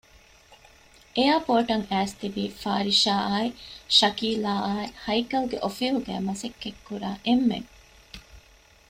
އެއަރޕޯރޓަށް އައިސް ތިބީ ފާރިޝާ އާއި ޝަކީލާ އާއި ހައިކަލްގެ އޮފީހުގައި މަސައްކަތްކުރާ އެންމެން